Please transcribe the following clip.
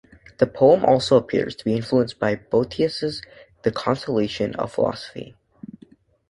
The poem also appears to be influenced by Boethius's "The Consolation of Philosophy".